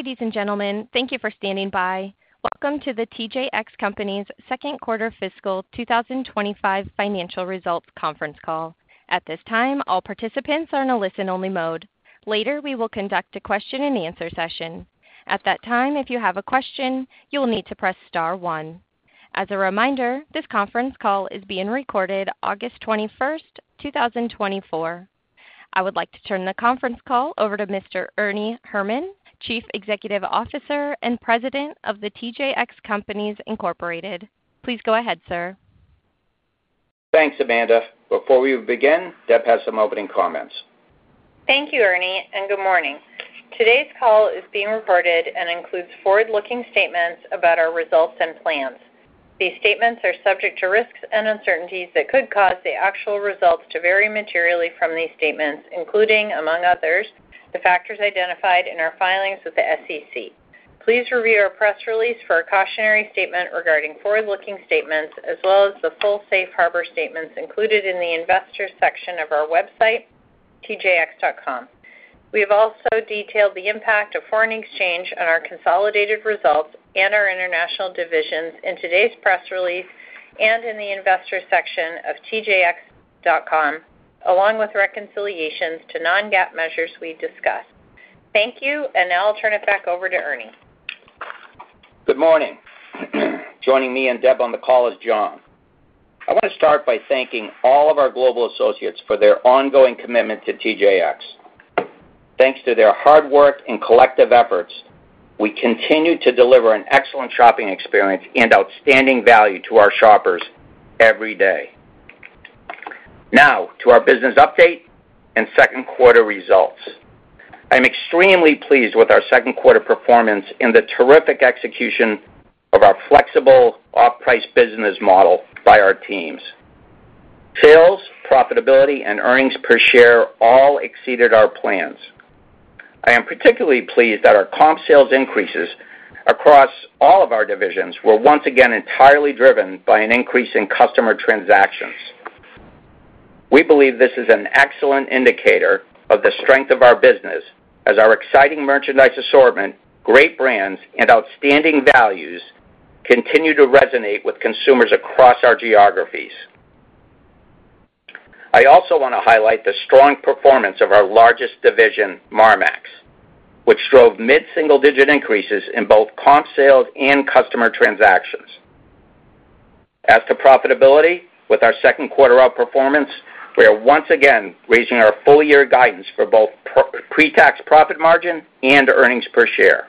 Ladies and gentlemen, thank you for standing by. Welcome to the TJX Companies' Second Quarter Fiscal 2025 financial results Conference Call. At this time, all participants are in a listen-only mode. Later, we will conduct a question-and-answer session. At that time, if you have a question, you will need to press star one. As a reminder, this conference call is being recorded, August 21st, 2024. I would like to turn the conference call over to Mr. Ernie Herrman, Chief Executive Officer and President of the TJX Companies Incorporated. Please go ahead, sir. Thanks, Amanda. Before we begin, Deb has some opening comments. Thank you, Ernie, and good morning. Today's call is being recorded and includes forward-looking statements about our results and plans. These statements are subject to risks and uncertainties that could cause the actual results to vary materially from these statements, including, among others, the factors identified in our filings with the SEC. Please review our press release for a cautionary statement regarding forward-looking statements, as well as the full safe harbor statements included in the Investors section of our website, tjx.com. We have also detailed the impact of foreign exchange on our consolidated results and our international divisions in today's press release and in the Investors section of tjx.com, along with reconciliations to non-GAAP measures we discuss. Thank you, and now I'll turn it back over to Ernie. Good morning. Joining me and Deb on the call is John. I wanna start by thanking all of our global associates for their ongoing commitment to TJX. Thanks to their hard work and collective efforts, we continue to deliver an excellent shopping experience and outstanding value to our shoppers every day. Now, to our business update and second quarter results. I'm extremely pleased with our second quarter performance and the terrific execution of our flexible off-price business model by our teams. Sales, profitability, and earnings per share all exceeded our plans. I am particularly pleased that our comp sales increases across all of our divisions were once again entirely driven by an increase in customer transactions. We believe this is an excellent indicator of the strength of our business as our exciting merchandise assortment, great brands, and outstanding values continue to resonate with consumers across our geographies. I also wanna highlight the strong performance of our largest division, Marmaxx, which drove mid-single-digit increases in both comp sales and customer transactions. As to profitability, with our second quarter outperformance, we are once again raising our full-year guidance for both pre-tax profit margin and earnings per share.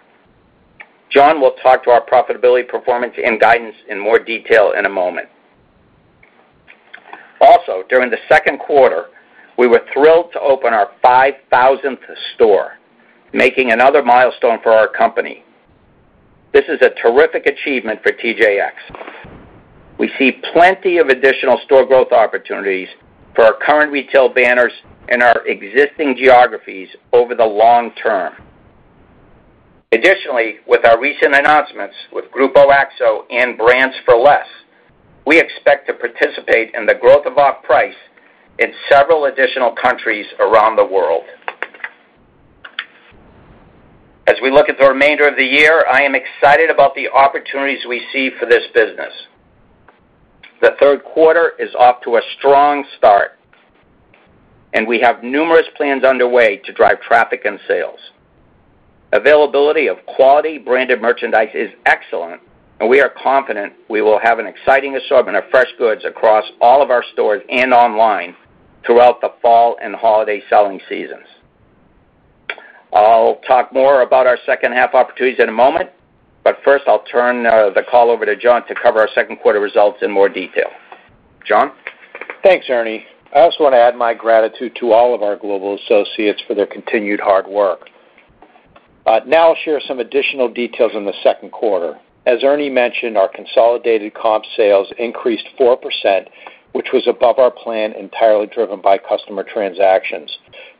John will talk to our profitability, performance, and guidance in more detail in a moment. Also, during the second quarter, we were thrilled to open our five thousandth store, making another milestone for our company. This is a terrific achievement for TJX. We see plenty of additional store growth opportunities for our current retail banners and our existing geographies over the long term. Additionally, with our recent announcements with Grupo Axo and Brands For Less, we expect to participate in the growth of off-price in several additional countries around the world. As we look at the remainder of the year, I am excited about the opportunities we see for this business. The third quarter is off to a strong start, and we have numerous plans underway to drive traffic and sales. Availability of quality branded merchandise is excellent, and we are confident we will have an exciting assortment of fresh goods across all of our stores and online throughout the fall and holiday selling seasons. I'll talk more about our second half opportunities in a moment, but first, I'll turn the call over to John to cover our second quarter results in more detail. John? Thanks, Ernie. I also wanna add my gratitude to all of our global associates for their continued hard work. Now I'll share some additional details on the second quarter. As Ernie mentioned, our consolidated comp sales increased 4%, which was above our plan, entirely driven by customer transactions.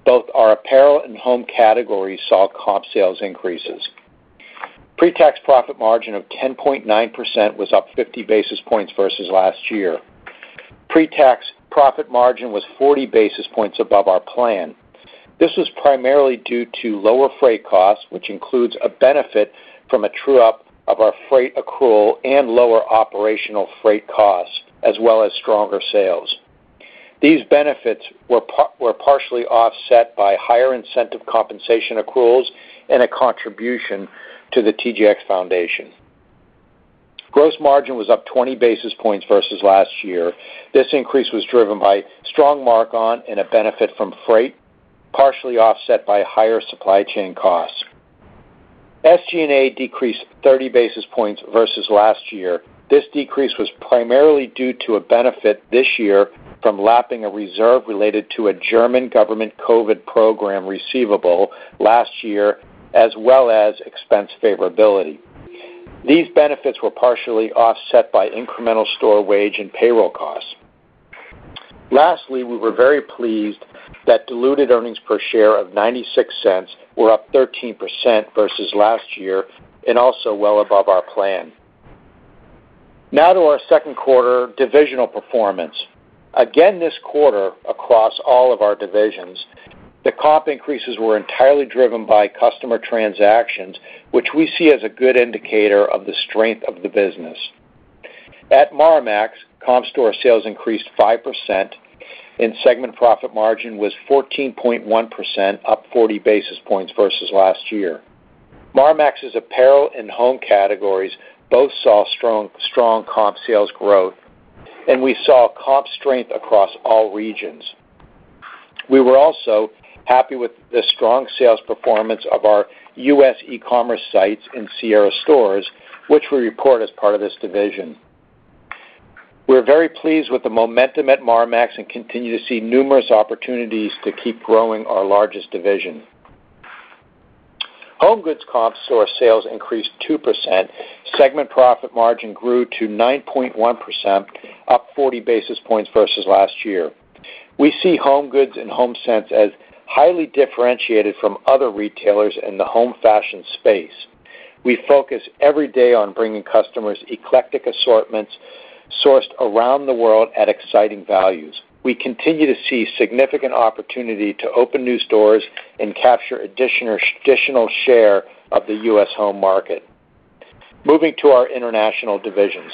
Both our apparel and home categories saw comp sales increases. Pre-tax profit margin of 10.9% was up 50 basis points versus last year. Pre-tax profit margin was 40 basis points above our plan. This was primarily due to lower freight costs, which includes a benefit from a true-up of our freight accrual and lower operational freight costs, as well as stronger sales. These benefits were partially offset by higher incentive compensation accruals and a contribution to the TJX Foundation. Gross margin was up 20 basis points versus last year. This increase was driven by strong mark-on and a benefit from freight, partially offset by higher supply chain costs. SG&A decreased 30 basis points versus last year. This decrease was primarily due to a benefit this year from lapping a reserve related to a German government COVID program receivable last year, as well as expense favorability. These benefits were partially offset by incremental store wage and payroll costs. Lastly, we were very pleased that diluted earnings per share of $0.96 were up 13% versus last year and also well above our plan.... Now to our second quarter divisional performance. Again, this quarter, across all of our divisions, the comp increases were entirely driven by customer transactions, which we see as a good indicator of the strength of the business. At Marmaxx, comp store sales increased 5%, and segment profit margin was 14.1%, up 40 basis points versus last year. Marmaxx's apparel and home categories both saw strong, strong comp sales growth, and we saw comp strength across all regions. We were also happy with the strong sales performance of our U.S. e-commerce sites and Sierra stores, which we report as part of this division. We're very pleased with the momentum at Marmaxx and continue to see numerous opportunities to keep growing our largest division. HomeGoods comp store sales increased 2%. Segment profit margin grew to 9.1%, up 40 basis points versus last year. We see HomeGoods and HomeSense as highly differentiated from other retailers in the home fashion space. We focus every day on bringing customers eclectic assortments sourced around the world at exciting values. We continue to see significant opportunity to open new stores and capture additional share of the US home market. Moving to our international divisions.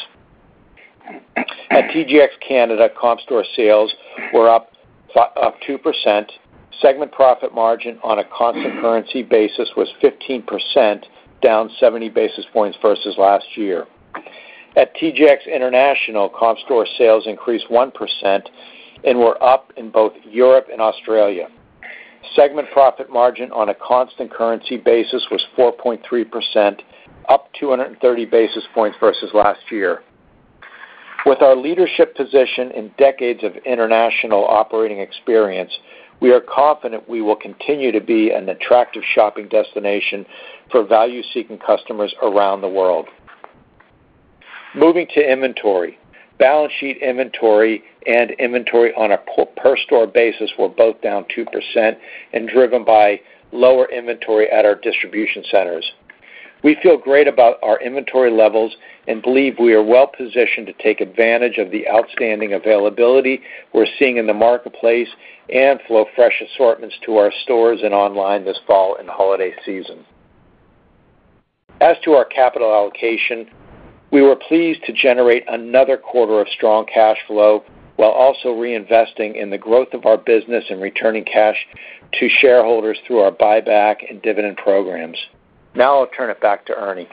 At TJX Canada, comp store sales were up 2%. Segment profit margin on a constant currency basis was 15%, down 70 basis points versus last year. At TJX International, comp store sales increased 1% and were up in both Europe and Australia. Segment profit margin on a constant currency basis was 4.3%, up 230 basis points versus last year. With our leadership position and decades of international operating experience, we are confident we will continue to be an attractive shopping destination for value-seeking customers around the world. Moving to inventory. Balance sheet inventory and inventory on a per store basis were both down 2% and driven by lower inventory at our distribution centers. We feel great about our inventory levels and believe we are well positioned to take advantage of the outstanding availability we're seeing in the marketplace and flow fresh assortments to our stores and online this fall and holiday season. As to our capital allocation, we were pleased to generate another quarter of strong cash flow while also reinvesting in the growth of our business and returning cash to shareholders through our buyback and dividend programs. Now I'll turn it back to Ernie.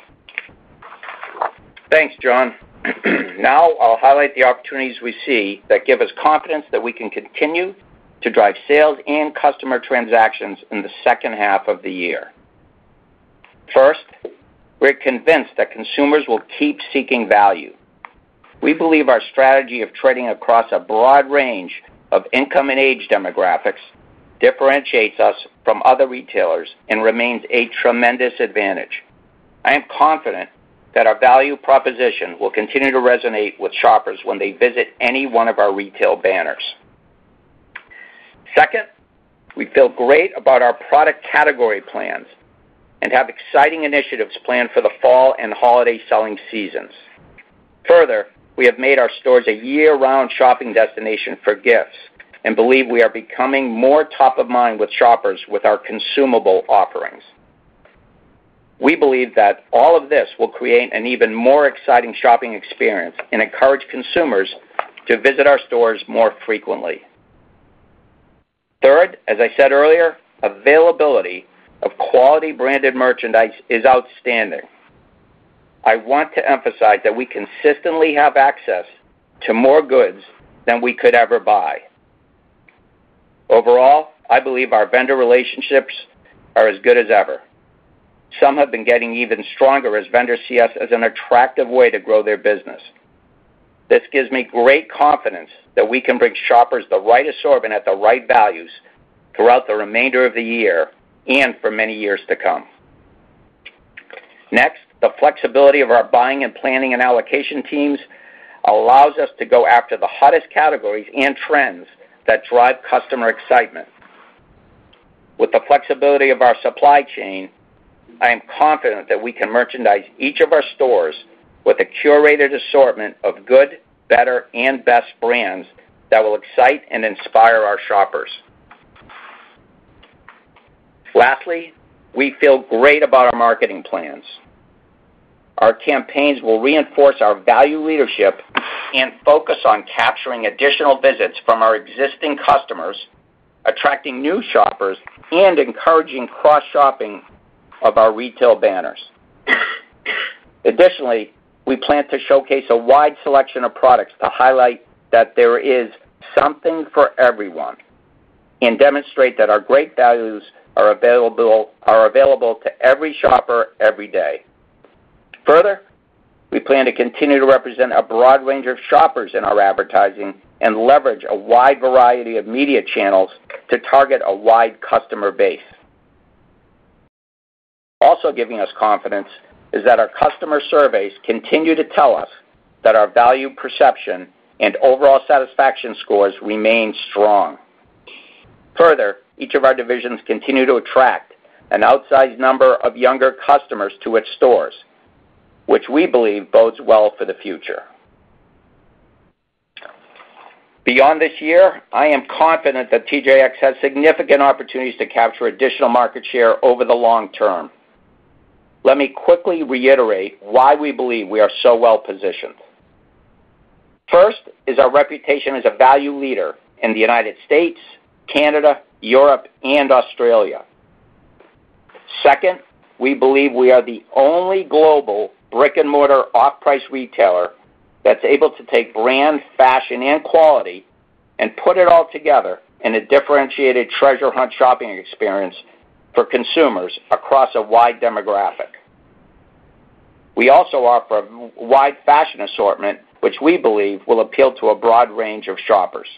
Thanks, John. Now I'll highlight the opportunities we see that give us confidence that we can continue to drive sales and customer transactions in the second half of the year. First, we're convinced that consumers will keep seeking value. We believe our strategy of trading across a broad range of income and age demographics differentiates us from other retailers and remains a tremendous advantage. I am confident that our value proposition will continue to resonate with shoppers when they visit any one of our retail banners. Second, we feel great about our product category plans and have exciting initiatives planned for the fall and holiday selling seasons. Further, we have made our stores a year-round shopping destination for gifts and believe we are becoming more top of mind with shoppers with our consumable offerings. We believe that all of this will create an even more exciting shopping experience and encourage consumers to visit our stores more frequently. Third, as I said earlier, availability of quality branded merchandise is outstanding. I want to emphasize that we consistently have access to more goods than we could ever buy. Overall, I believe our vendor relationships are as good as ever. Some have been getting even stronger as vendors see us as an attractive way to grow their business. This gives me great confidence that we can bring shoppers the right assortment at the right values throughout the remainder of the year and for many years to come. Next, the flexibility of our buying and planning and allocation teams allows us to go after the hottest categories and trends that drive customer excitement. With the flexibility of our supply chain, I am confident that we can merchandise each of our stores with a curated assortment of good, better, and best brands that will excite and inspire our shoppers. Lastly, we feel great about our marketing plans. Our campaigns will reinforce our value leadership and focus on capturing additional visits from our existing customers, attracting new shoppers, and encouraging cross-shopping of our retail banners. Additionally, we plan to showcase a wide selection of products to highlight that there is something for everyone and demonstrate that our great values are available to every shopper, every day. Further, we plan to continue to represent a broad range of shoppers in our advertising and leverage a wide variety of media channels to target a wide customer base. Also giving us confidence is that our customer surveys continue to tell us that our value perception and overall satisfaction scores remain strong. Further, each of our divisions continue to attract an outsized number of younger customers to its stores, which we believe bodes well for the future. Beyond this year, I am confident that TJX has significant opportunities to capture additional market share over the long term. Let me quickly reiterate why we believe we are so well positioned. First is our reputation as a value leader in the United States, Canada, Europe, and Australia. Second, we believe we are the only global brick-and-mortar off-price retailer that's able to take brand, fashion, and quality and put it all together in a differentiated treasure hunt shopping experience for consumers across a wide demographic. We also offer a Marmaxx-wide fashion assortment, which we believe will appeal to a broad range of shoppers.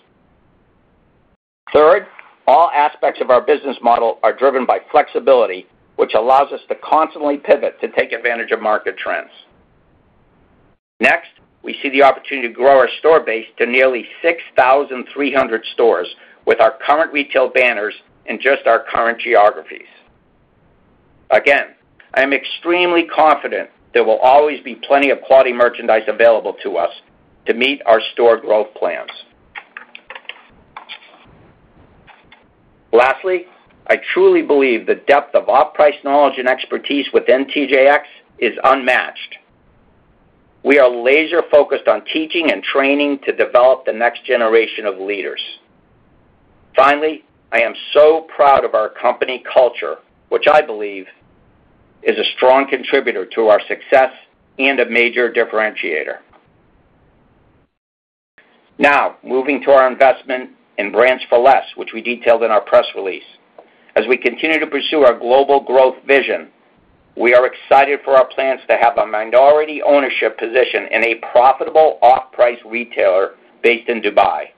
Third, all aspects of our business model are driven by flexibility, which allows us to constantly pivot to take advantage of market trends. Next, we see the opportunity to grow our store base to nearly 6,300 stores with our current retail banners in just our current geographies. Again, I am extremely confident there will always be plenty of quality merchandise available to us to meet our store growth plans. Lastly, I truly believe the depth of off-price knowledge and expertise within TJX is unmatched. We are laser-focused on teaching and training to develop the next generation of leaders. Finally, I am so proud of our company culture, which I believe is a strong contributor to our success and a major differentiator. Now, moving to our investment in Brands For Less, which we detailed in our press release. As we continue to pursue our global growth vision, we are excited for our plans to have a minority ownership position in a profitable off-price retailer based in Dubai.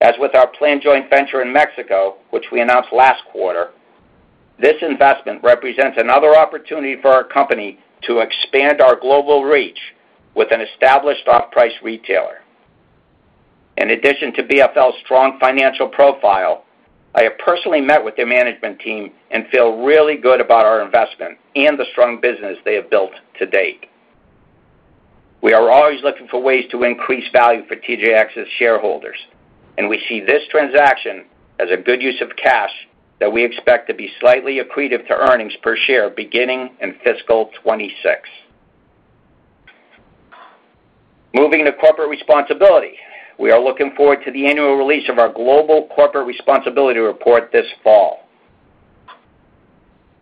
As with our planned joint venture in Mexico, which we announced last quarter, this investment represents another opportunity for our company to expand our global reach with an established off-price retailer. In addition to BFL's strong financial profile, I have personally met with their management team and feel really good about our investment and the strong business they have built to date. We are always looking for ways to increase value for TJX's shareholders, and we see this transaction as a good use of cash that we expect to be slightly accretive to earnings per share beginning in fiscal 2026. Moving to corporate responsibility. We are looking forward to the annual release of our global corporate responsibility report this fall.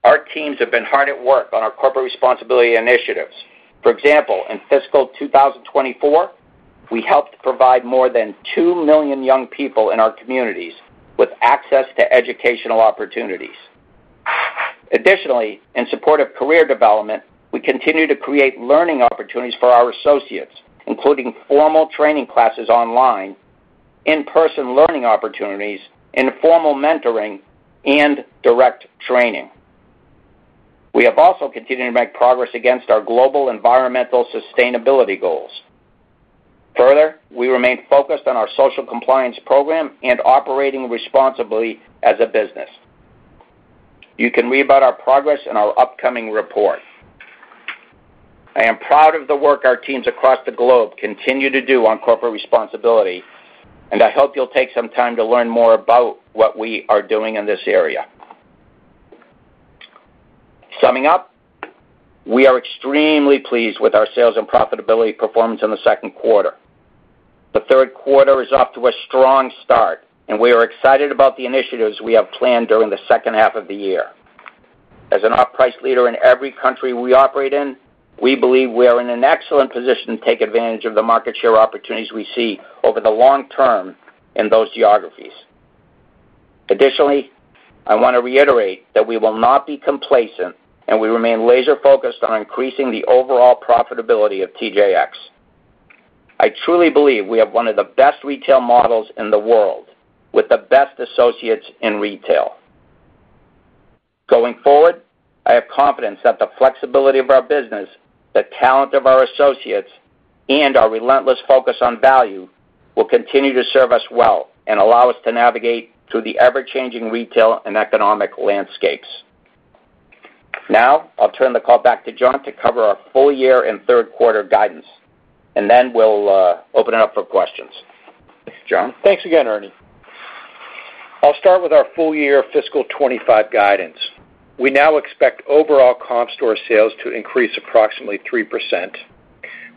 Our teams have been hard at work on our corporate responsibility initiatives. For example, in fiscal 2024, we helped provide more than two million young people in our communities with access to educational opportunities. Additionally, in support of career development, we continue to create learning opportunities for our associates, including formal training classes online, in-person learning opportunities, informal mentoring, and direct training. We have also continued to make progress against our global environmental sustainability goals. Further, we remain focused on our social compliance program and operating responsibly as a business. You can read about our progress in our upcoming report. I am proud of the work our teams across the globe continue to do on corporate responsibility, and I hope you'll take some time to learn more about what we are doing in this area. Summing up, we are extremely pleased with our sales and profitability performance in the second quarter. The third quarter is off to a strong start, and we are excited about the initiatives we have planned during the second half of the year. As an off-price leader in every country we operate in, we believe we are in an excellent position to take advantage of the market share opportunities we see over the long term in those geographies. Additionally, I wanna reiterate that we will not be complacent, and we remain laser-focused on increasing the overall profitability of TJX. I truly believe we have one of the best retail models in the world, with the best associates in retail. Going forward, I have confidence that the flexibility of our business, the talent of our associates, and our relentless focus on value will continue to serve us well and allow us to navigate through the ever-changing retail and economic landscapes. Now, I'll turn the call back to John to cover our full year and third quarter guidance, and then we'll open it up for questions. John? Thanks again, Ernie. I'll start with our full year fiscal 2025 guidance. We now expect overall comp store sales to increase approximately 3%.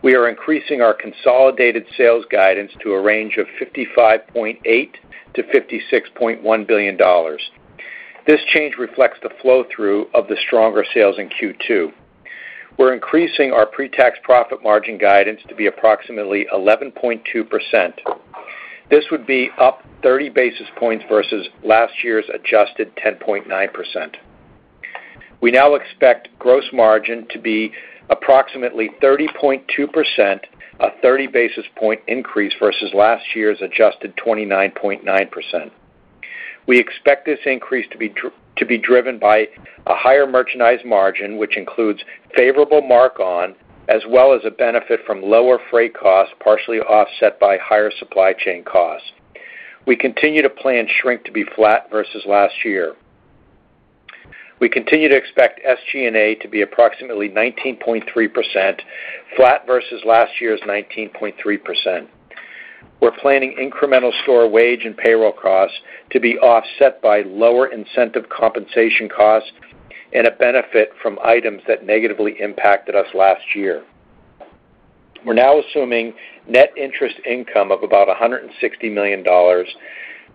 We are increasing our consolidated sales guidance to a range of $55.8 billion-$56.1 billion. This change reflects the flow-through of the stronger sales in Q2. We're increasing our pre-tax profit margin guidance to be approximately 11.2%. This would be up 30 basis points versus last year's adjusted 10.9%. We now expect gross margin to be approximately 30.2%, a 30 basis point increase versus last year's adjusted 29.9%. We expect this increase to be driven by a higher merchandise margin, which includes favorable markdown, as well as a benefit from lower freight costs, partially offset by higher supply chain costs. We continue to plan shrink to be flat versus last year. We continue to expect SG&A to be approximately 19.3%, flat versus last year's 19.3%. We're planning incremental store wage and payroll costs to be offset by lower incentive compensation costs and a benefit from items that negatively impacted us last year. We're now assuming net interest income of about $160 million,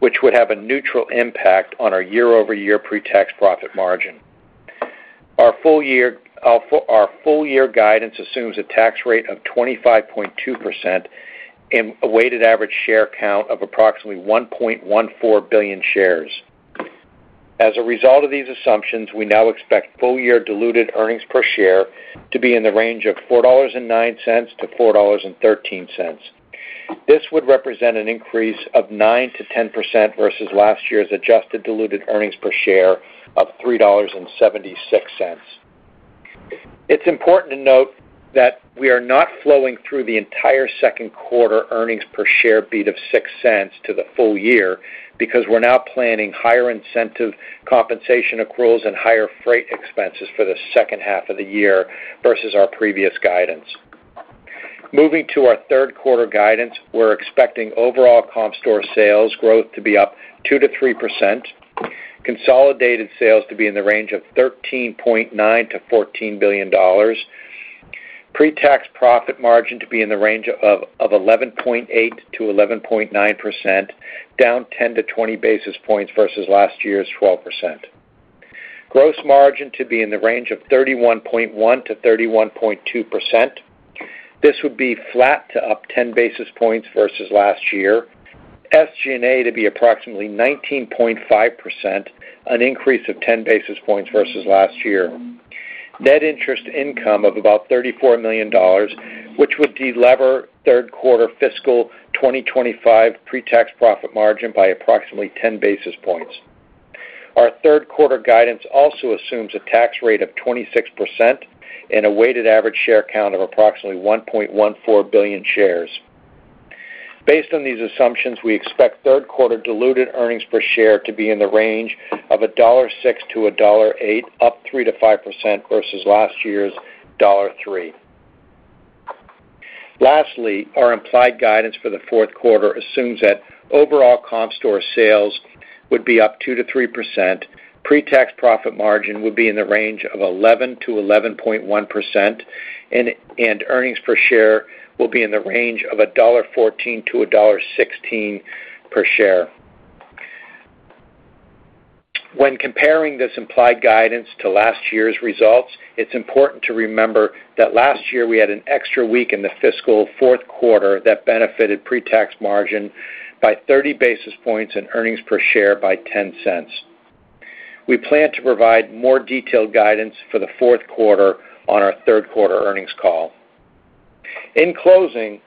which would have a neutral impact on our year-over-year pretax profit margin. Our full year guidance assumes a tax rate of 25.2% and a weighted average share count of approximately 1.14 billion shares. As a result of these assumptions, we now expect full year diluted earnings per share to be in the range of $4.09-$4.13. This would represent an increase of 9%-10% versus last year's adjusted diluted earnings per share of $3.76. It's important to note that we are not flowing through the entire second quarter earnings per share beat of $0.06 to the full year, because we're now planning higher incentive compensation accruals and higher freight expenses for the second half of the year versus our previous guidance. Moving to our third quarter guidance, we're expecting overall comp store sales growth to be up 2%-3%, consolidated sales to be in the range of $13.9 billion-$14 billion. Pre-tax profit margin to be in the range of 11.8%-11.9%, down 10 to 20 basis points versus last year's 12%. Gross margin to be in the range of 31.1%-31.2%. This would be flat to up 10 basis points versus last year. SG&A to be approximately 19.5%, an increase of 10 basis points versus last year. Net interest income of about $34 million, which would delever third quarter fiscal 2025 pretax profit margin by approximately 10 basis points. Our third quarter guidance also assumes a tax rate of 26% and a weighted average share count of approximately 1.14 billion shares. Based on these assumptions, we expect third quarter diluted earnings per share to be in the range of $1.06-$1.08, up 3%-5% versus last year's $1.03. Lastly, our implied guidance for the fourth quarter assumes that overall comp store sales would be up 2-3%, pretax profit margin would be in the range of 11%-11.1%, and earnings per share will be in the range of $1.14-$1.16 per share. When comparing this implied guidance to last year's results, it's important to remember that last year we had an extra week in the fiscal fourth quarter that benefited pretax margin by 30 basis points and earnings per share by $0.10. We plan to provide more detailed guidance for the fourth quarter on our third quarter earnings call. In closing,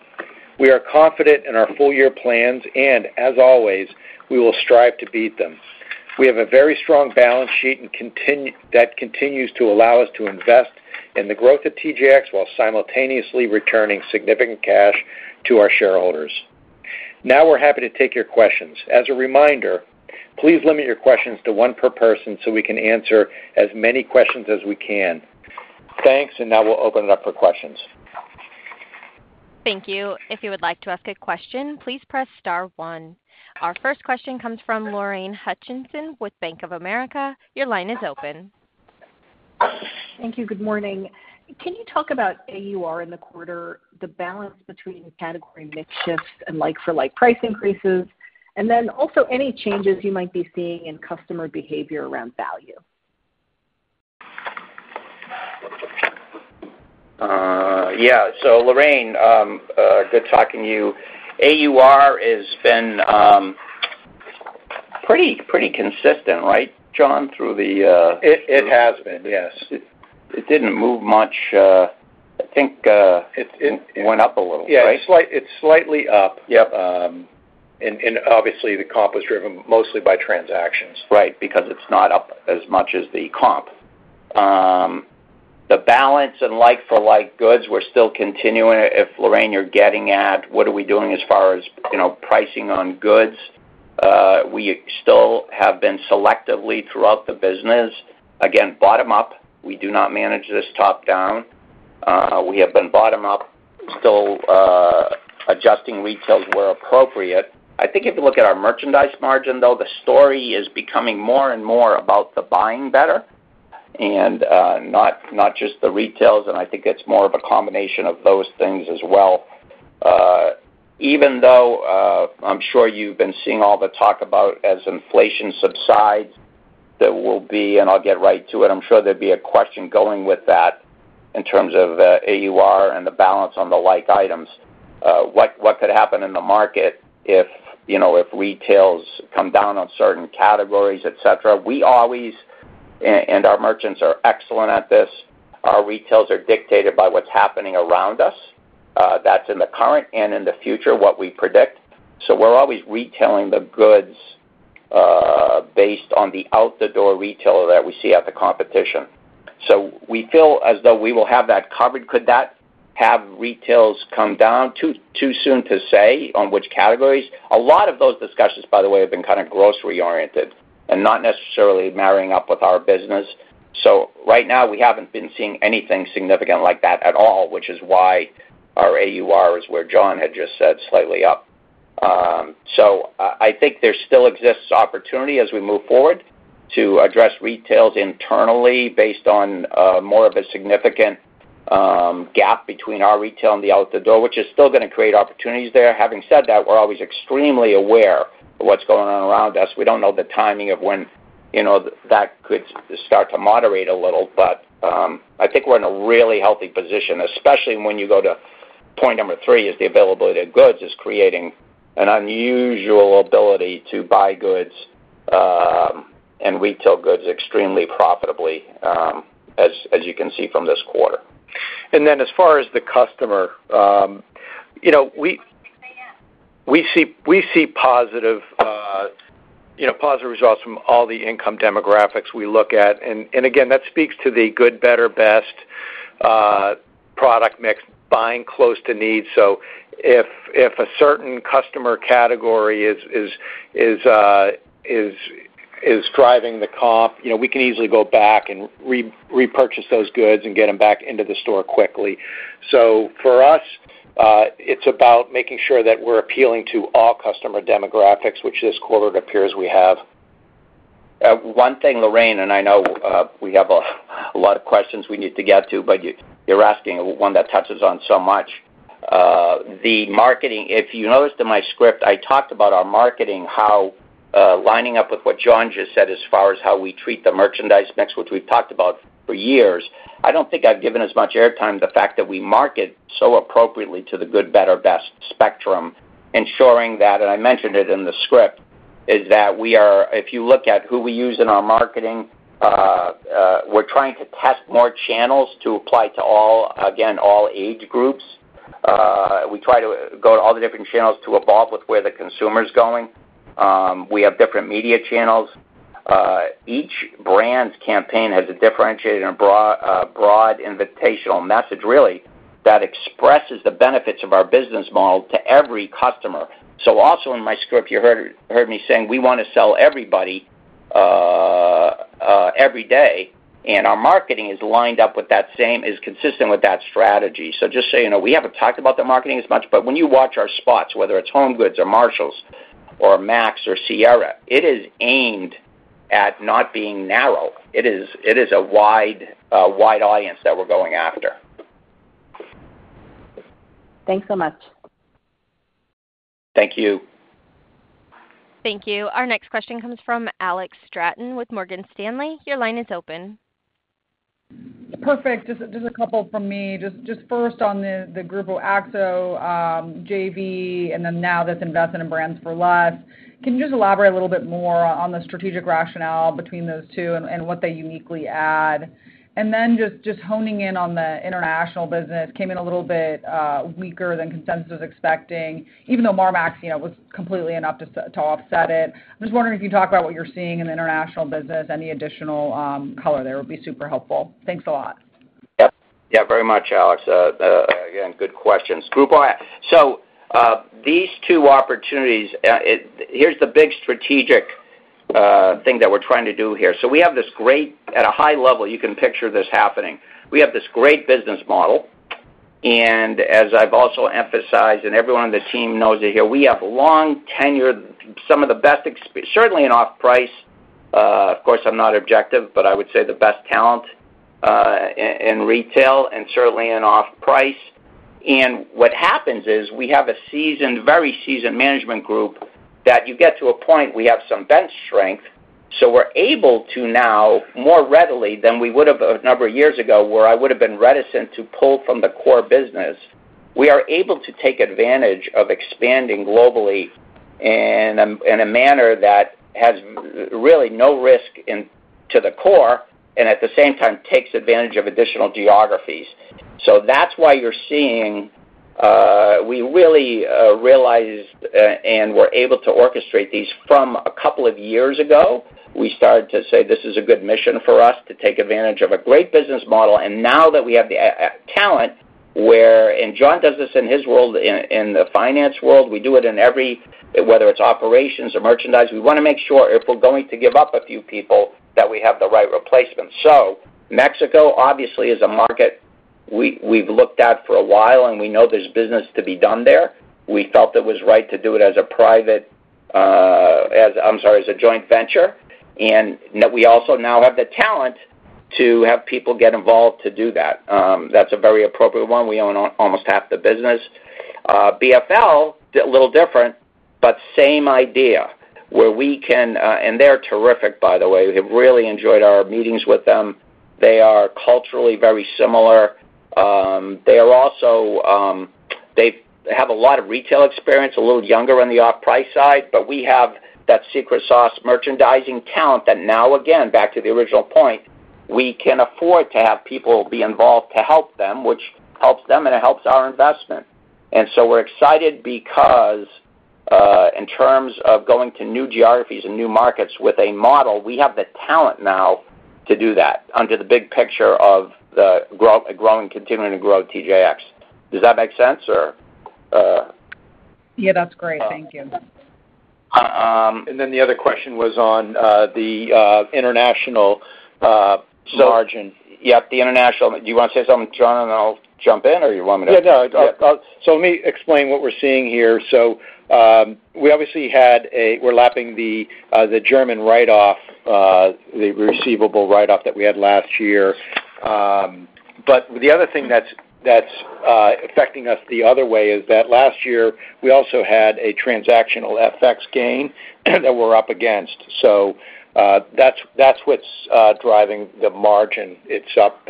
we are confident in our full year plans, and as always, we will strive to beat them. We have a very strong balance sheet and that continues to allow us to invest in the growth of TJX while simultaneously returning significant cash to our shareholders. Now, we're happy to take your questions. As a reminder, please limit your questions to one per person, so we can answer as many questions as we can. Thanks, and now we'll open it up for questions. Thank you. If you would like to ask a question, please press star one. Our first question comes from Lorraine Hutchinson with Bank of America. Your line is open. Thank you. Good morning. Can you talk about AUR in the quarter, the balance between category mix shifts and like-for-like price increases, and then also any changes you might be seeing in customer behavior around value? Yeah. So, Lorraine, good talking to you. AUR has been pretty consistent, right, John, through the. It has been, yes. It didn't move much, I think. It went up a little, right? Yeah, it's slightly up. Yep. Obviously, the comp was driven mostly by transactions. Right, because it's not up as much as the comp. The balance in like-for-like goods, we're still continuing. If, Lorraine, you're getting at, what are we doing as far as, you know, pricing on goods, we still have been selectively throughout the business. Again, bottom up, we do not manage this top down. We have been bottom up, still, adjusting retails where appropriate. I think if you look at our merchandise margin, though, the story is becoming more and more about the buying better and, not, not just the retails, and I think it's more of a combination of those things as well. Even though, I'm sure you've been seeing all the talk about as inflation subsides, there will be, and I'll get right to it, I'm sure there'd be a question going with that in terms of, AUR and the balance on the like items. What, what could happen in the market if, you know, if retails come down on certain categories, et cetera? We always, and our merchants are excellent at this, our retails are dictated by what's happening around us. That's in the current and in the future, what we predict. So we're always retailing the goods, based on the out-the-door retailer that we see at the competition.... So we feel as though we will have that covered. Could that have retails come down? Too soon to say on which categories. A lot of those discussions, by the way, have been kind of grocery oriented and not necessarily marrying up with our business. Right now, we haven't been seeing anything significant like that at all, which is why our AUR is where John had just said, slightly up. So I think there still exists opportunity as we move forward to address retails internally based on more of a significant gap between our retail and the out the door, which is still gonna create opportunities there. Having said that, we're always extremely aware of what's going on around us. We don't know the timing of when, you know, that could start to moderate a little, but, I think we're in a really healthy position, especially when you go to point number three, is the availability of goods is creating an unusual ability to buy goods, and retail goods extremely profitably, as you can see from this quarter. And then as far as the customer, you know, we see positive results from all the income demographics we look at. And again, that speaks to the good, better, best product mix, buying close to needs. So if a certain customer category is driving the comp, you know, we can easily go back and repurchase those goods and get them back into the store quickly. So for us, it's about making sure that we're appealing to all customer demographics, which this quarter it appears we have. One thing, Lorraine, and I know we have a lot of questions we need to get to, but you're asking one that touches on so much. The marketing, if you noticed in my script, I talked about our marketing, how lining up with what John just said as far as how we treat the merchandise mix, which we've talked about for years. I don't think I've given as much airtime the fact that we market so appropriately to the good, better, best spectrum, ensuring that, and I mentioned it in the script, is that we are. If you look at who we use in our marketing, we're trying to test more channels to apply to all, again, all age groups. We try to go to all the different channels to evolve with where the consumer's going. We have different media channels. Each brand's campaign has a differentiated and broad invitational message, really, that expresses the benefits of our business model to every customer. So also in my script, you heard me saying, we wanna sell everybody every day, and our marketing is lined up with that same is consistent with that strategy. So just so you know, we haven't talked about the marketing as much, but when you watch our spots, whether it's HomeGoods or Marshalls or Marmaxx or Sierra, it is aimed at not being narrow. It is a wide audience that we're going after. Thanks so much. Thank you. Thank you. Our next question comes from Alex Stratton with Morgan Stanley. Your line is open. Perfect. Just a couple from me. Just first on the Grupo Axo JV, and then now this investment in Brands For Less, can you just elaborate a little bit more on the strategic rationale between those two and what they uniquely add? And then just honing in on the international business, came in a little bit weaker than consensus was expecting, even though Marmaxx, you know, was completely enough to offset it. I'm just wondering if you could talk about what you're seeing in the international business. Any additional color there would be super helpful. Thanks a lot. Yep. Yeah, very much, Alex. Again, good questions. Grupo Axo, so these two opportunities. Here's the big strategic thing that we're trying to do here. So we have this great business model, and as I've also emphasized, and everyone on the team knows it here, we have long-tenured, some of the best experienced certainly in off-price, of course, I'm not objective, but I would say the best talent in retail and certainly in off-price. And what happens is, we have a seasoned, very seasoned management group, that you get to a point, we have some bench strength. So we're able to now, more readily than we would have a number of years ago, where I would have been reticent to pull from the core business, we are able to take advantage of expanding globally and in a manner that has really no risk into the core, and at the same time, takes advantage of additional geographies. So that's why you're seeing we really realized and were able to orchestrate these from a couple of years ago. We started to say, This is a good mission for us to take advantage of a great business model. And now that we have the talent where, and John does this in his world, in the finance world, we do it in every, whether it's operations or merchandise, we wanna make sure if we're going to give up a few people, that we have the right replacement. So Mexico, obviously, is a market we've looked at for a while, and we know there's business to be done there. We felt it was right to do it as a joint venture. And that we also now have the talent to have people get involved to do that. That's a very appropriate one. We own almost half the business. BFL, a little different, but same idea, where we can, and they're terrific, by the way. We have really enjoyed our meetings with them. They are culturally very similar. They are also, they have a lot of retail experience, a little younger on the off-price side, but we have that secret sauce merchandising talent that now, again, back to the original point, we can afford to have people be involved to help them, which helps them and it helps our investment. And so we're excited because, in terms of going to new geographies and new markets with a model, we have the talent now to do that under the big picture of growing, continuing to grow TJX. Does that make sense, or? Yeah, that's great. Thank you. And then the other question was on the international margin. Yep, the international. Do you wanna say something, John, and I'll jump in, or you want me to? Yeah, no. Yeah. So let me explain what we're seeing here. So, we obviously had a, we're lapping the, the German write-off, the receivable write-off that we had last year. But the other thing that's affecting us the other way is that last year, we also had a transactional FX gain that we're up against. So, that's what's driving the margin. It's up,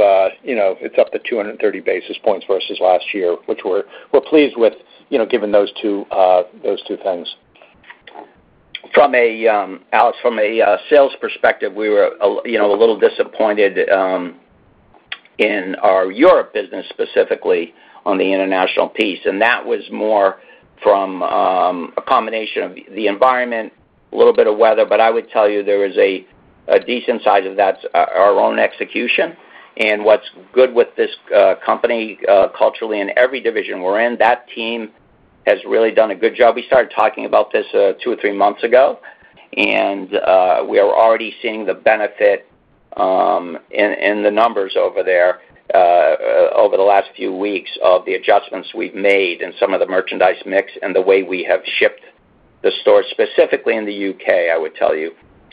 you know, it's up 230 basis points versus last year, which we're pleased with, you know, given those two things. From a sales perspective, we were, you know, a little disappointed in our Europe business, specifically on the international piece, and that was more from a combination of the environment, a little bit of weather, but I would tell you there is a decent size of that, our own execution. And what's good with this company, culturally, in every division we're in, that team has really done a good job. We started talking about this two or three months ago, and we are already seeing the benefit in the numbers over there over the last few weeks of the adjustments we've made in some of the merchandise mix and the way we have shipped the stores, specifically in the UK, I would tell you.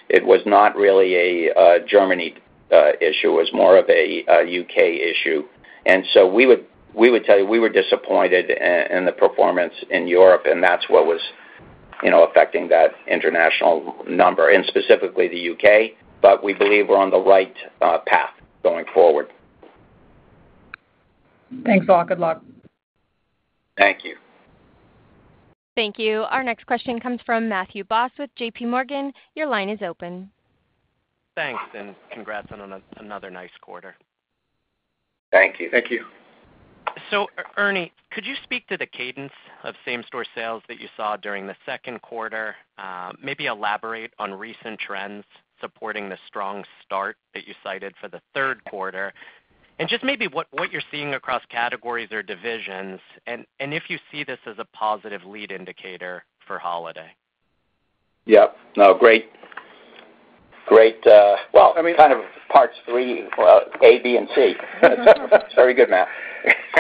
It was not really a Germany issue. It was more of a U.K. issue, and so we would tell you, we were disappointed in the performance in Europe, and that's what was, you know, affecting that international number, and specifically the U.K., but we believe we're on the right path going forward. Thanks, all. Good luck. Thank you. Thank you. Our next question comes from Matthew Boss with JPMorgan. Your line is open. Thanks, and congrats on another nice quarter. Thank you. Thank you. Ernie, could you speak to the cadence of same store sales that you saw during the second quarter? Maybe elaborate on recent trends supporting the strong start that you cited for the third quarter, and just maybe what you're seeing across categories or divisions, and if you see this as a positive lead indicator for holiday. Yep. No, great. Great, well- I mean- kind of parts three, well, A, B, and C. Very good, Matt.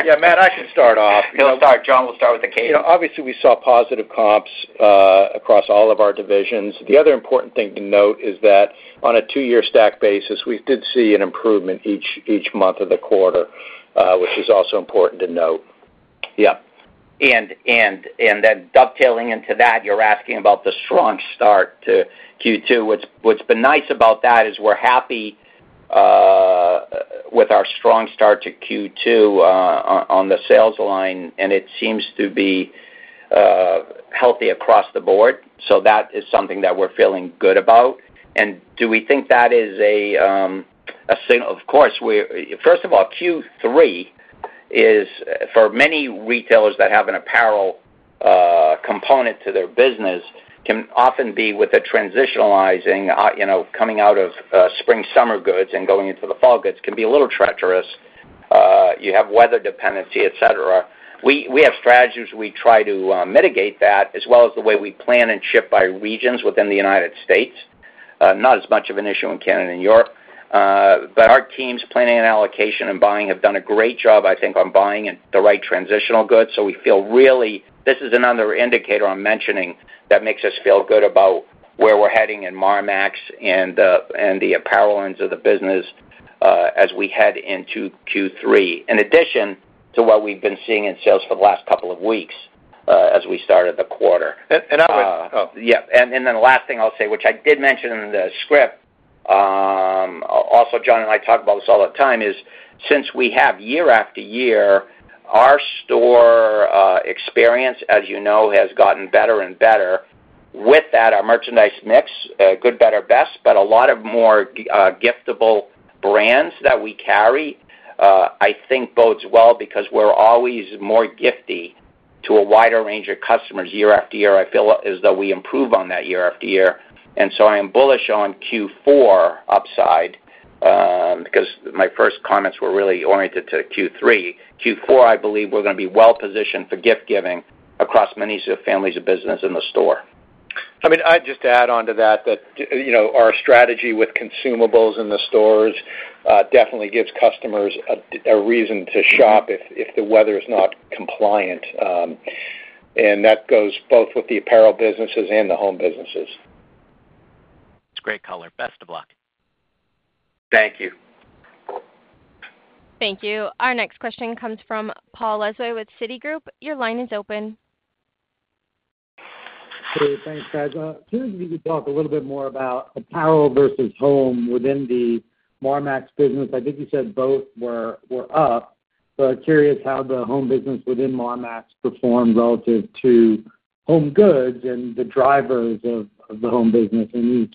Yeah, Matt, I can start off. No, start, John, we'll start with the key. You know, obviously, we saw positive comps across all of our divisions. The other important thing to note is that on a two-year stack basis, we did see an improvement each month of the quarter, which is also important to note. Yep, and then dovetailing into that, you're asking about the strong start to Q2. What's been nice about that is we're happy with our strong start to Q2 on the sales line, and it seems to be healthy across the board. So that is something that we're feeling good about. And do we think that is a sign? Of course, we first of all, Q3 is, for many retailers that have an apparel component to their business, can often be with a transitionalizing, you know, coming out of spring/summer goods and going into the fall goods, can be a little treacherous. You have weather dependency, et cetera. We have strategies, we try to mitigate that, as well as the way we plan and ship by regions within the United States. Not as much of an issue in Canada and Europe, but our teams planning and allocation and buying have done a great job, I think, on buying and the right transitional goods. So we feel really. This is another indicator I'm mentioning, that makes us feel good about where we're heading in Marmaxx and the apparel ends of the business, as we head into Q3, in addition to what we've been seeing in sales for the last couple of weeks, as we started the quarter. And I would- Yeah, and then the last thing I'll say, which I did mention in the script, also, John and I talk about this all the time, is since we have year-after-year, our store experience, as you know, has gotten better and better. With that, our merchandise mix, good, better, best, but a lot of more giftable brands that we carry, I think bodes well because we're always more gifty to a wider range of customers year-after-year. I feel as though we improve on that year-after-year, and so I am bullish on Q4 upside, because my first comments were really oriented to Q3. Q4, I believe, we're gonna be well positioned for gift giving across many families of business in the store. I mean, I'd just add on to that, that, you know, our strategy with consumables in the stores definitely gives customers a reason to shop If the weather is not compliant, and that goes both with the apparel businesses and the home businesses. It's great color. Best of luck. Thank you. Thank you. Our next question comes from Paul Lejuez with Citigroup. Your line is open. Hey, thanks, guys. Curious if you could talk a little bit more about apparel versus home within the Marmaxx business. I think you said both were up, but curious how the home business within Marmaxx performed relative to HomeGoods and the drivers of the home business in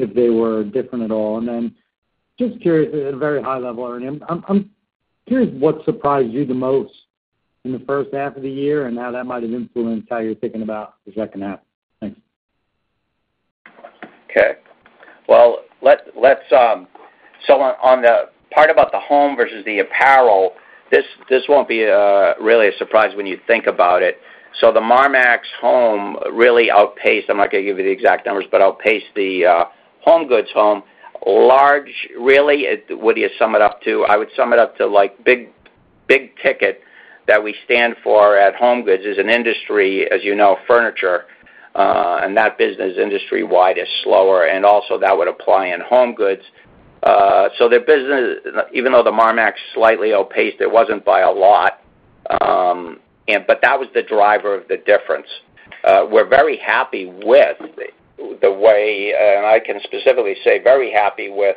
each, if they were different at all. And then just curious, at a very high level, Ernie, I'm curious what surprised you the most in the first half of the year, and how that might have influenced how you're thinking about the second half? Thanks. Okay. Well, let's so, on the part about the home versus the apparel, this won't be really a surprise when you think about it. So the Marmaxx home really outpaced. I'm not gonna give you the exact numbers, but outpaced the HomeGoods home. Largely, really, what do you sum it up to? I would sum it up to like big, big ticket that we stand for at HomeGoods is an industry, as you know, furniture, and that business industry-wide is slower, and also that would apply in HomeGoods. So the business, even though the Marmaxx slightly outpaced, it wasn't by a lot. And but that was the driver of the difference. We're very happy with the way, and I can specifically say, very happy with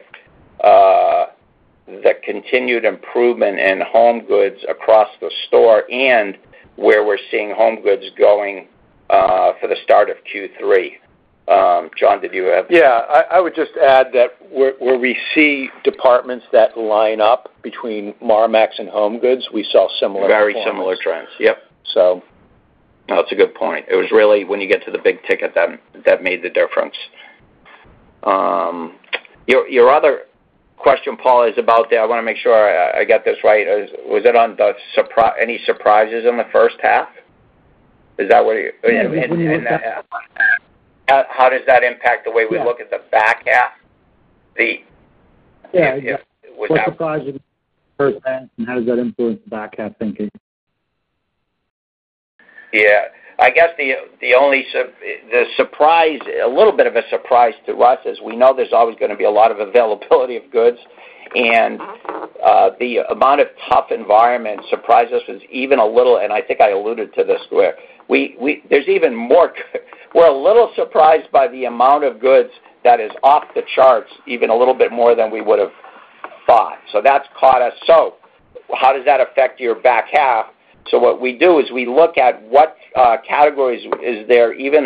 the continued improvement in HomeGoods across the store and where we're seeing HomeGoods going for the start of Q3. John, did you have- Yeah, I would just add that where we see departments that line up between Marmaxx and HomeGoods, we saw similar- Very similar trends. Yep. So, no, it's a good point. It was really when you get to the big ticket, then, that made the difference. Your other question, Paul, is about the... I wanna make sure I get this right. Is, was it on the surprises in the first half? Is that what you- Yeah, we- In that? How does that impact the way we look at the back half? The- Yeah, yeah. Without- What surprised you first half, and how does that influence the back half thinking? Yeah. I guess the only surprise, a little bit of a surprise to us, is we know there's always gonna be a lot of availability of goods, and the amount of tough environment surprised us is even a little, and I think I alluded to this where. We're a little surprised by the amount of goods that is off the charts, even a little bit more than we would've thought. So that's caught us. So, how does that affect your back half? So what we do is we look at what categories is there, even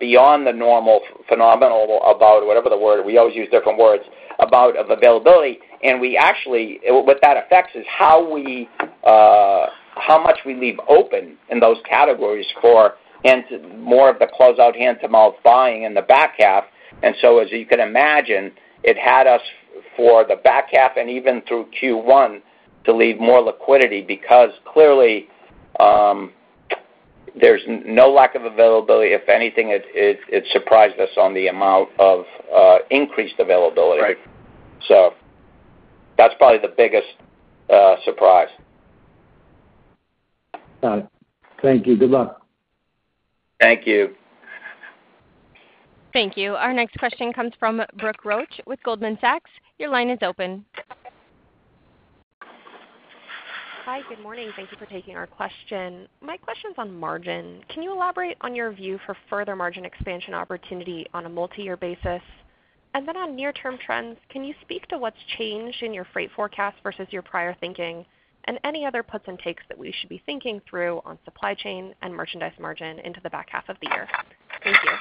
beyond the normal, phenomenal, about, whatever the word, we always use different words, about of availability. And we actually, what that affects is how we, how much we leave open in those categories for, and more of the closeout hand-to-mouth buying in the back half. And so, as you can imagine, it had us, for the back half and even through Q1, to leave more liquidity, because clearly, there's no lack of availability. If anything, it surprised us on the amount of increased availability. Right. So that's probably the biggest surprise. Got it. Thank you. Good luck. Thank you. Thank you. Our next question comes from Brooke Roach with Goldman Sachs. Your line is open. Hi, good morning. Thank you for taking our question. My question's on margin. Can you elaborate on your view for further margin expansion opportunity on a multi-year basis? And then on near-term trends, can you speak to what's changed in your freight forecast versus your prior thinking? And any other puts and takes that we should be thinking through on supply chain and merchandise margin into the back half of the year. Thank you.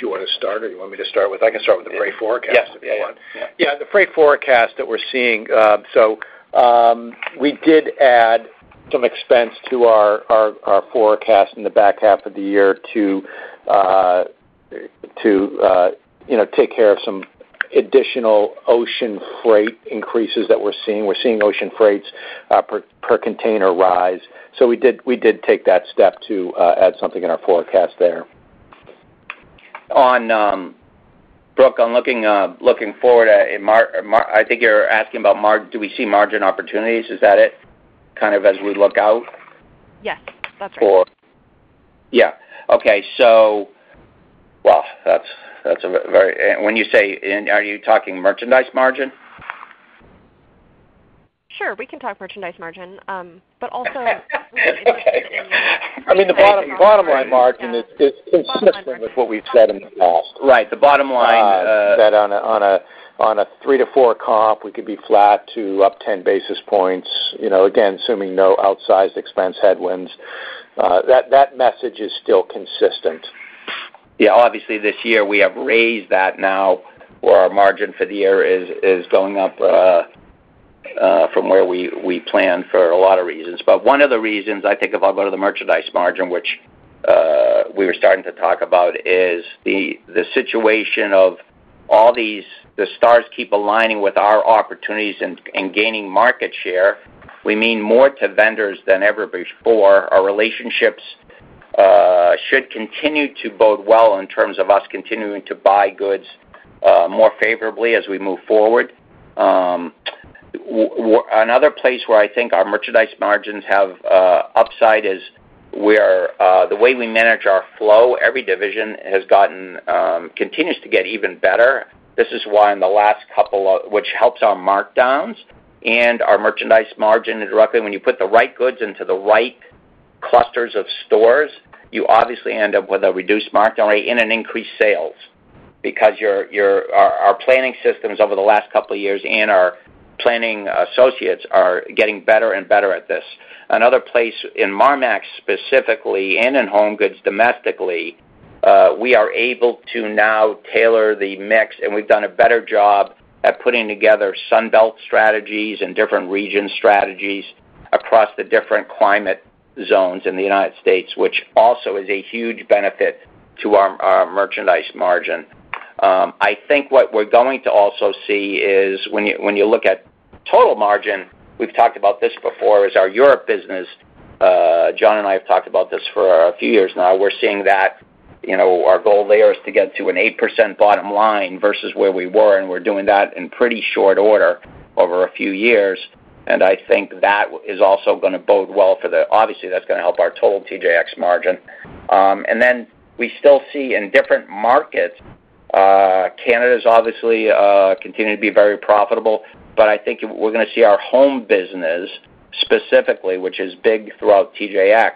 Do you wanna start, or you want me to start with? I can start with the freight forecast- Yes. If you want. Yeah, the freight forecast that we're seeing, so we did add some expense to our forecast in the back half of the year to, you know, take care of some additional ocean freight increases that we're seeing. We're seeing ocean freights per container rise, so we did take that step to add something in our forecast there. Brooke, on looking forward at margins. I think you're asking about margins. Do we see margin opportunities? Is that it, kind of as we look out? Yes, that's right. Yeah. Okay, so, well, that's a very... When you say, and are you talking merchandise margin? Sure, we can talk merchandise margin, but also- Okay. I mean, the bottom line margin is consistent with what we've said in the past. Right, the bottom line, That on a three to four comp, we could be flat to up ten basis points. You know, again, assuming no outsized expense headwinds, that message is still consistent. Yeah, obviously, this year, we have raised that now, where our margin for the year is going up from where we planned for a lot of reasons. But one of the reasons I think, if I'll go to the merchandise margin, which we were starting to talk about, is the situation of all these, the stars keep aligning with our opportunities and gaining market share. We mean more to vendors than ever before. Our relationships should continue to bode well in terms of us continuing to buy goods more favorably as we move forward. Another place where I think our merchandise margins have upside is where the way we manage our flow, every division has gotten continues to get even better. This is why in the last couple of, which helps our markdowns and our merchandise margin directly, when you put the right goods into the right clusters of stores, you obviously end up with a reduced markdown rate and an increased sales. Because our planning systems over the last couple of years and our planning associates are getting better and better at this. Another place in Marmaxx, specifically, and in HomeGoods domestically, we are able to now tailor the mix, and we've done a better job at putting together Sun Belt strategies and different region strategies across the different climate zones in the United States, which also is a huge benefit to our merchandise margin. I think what we're going to also see is when you look at total margin, we've talked about this before, is our Europe business. John and I have talked about this for a few years now. We're seeing that, you know, our goal there is to get to an 8% bottom line versus where we were, and we're doing that in pretty short order over a few years, and I think that is also gonna bode well for the, obviously, that's gonna help our total TJX margin. And then we still see in different markets, Canada's obviously continuing to be very profitable, but I think we're gonna see our home business, specifically, which is big throughout TJX,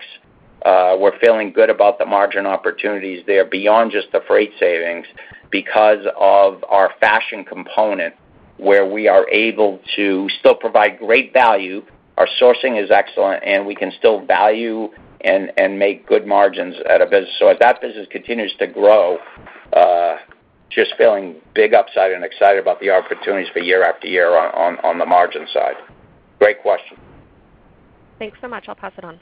we're feeling good about the margin opportunities there beyond just the freight savings because of our fashion component, where we are able to still provide great value, our sourcing is excellent, and we can still value and make good margins at a business. As that business continues to grow, just feeling big upside and excited about the opportunities for year after year on the margin side. Great question. Thanks so much. I'll pass it on.